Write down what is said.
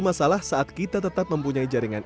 masalah saat kita tetap mempunyai jaringan